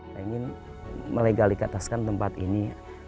pengen melegal dikataskan tempat ini